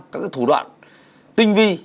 các cái thủ đoạn tinh vi